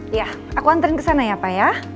iya aku anterin ke sana ya pa ya